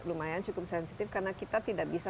lumayan cukup sensitif karena kita tidak bisa